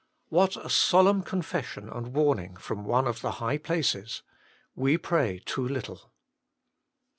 What a solemn confession and warning from one of the high places : We pray too little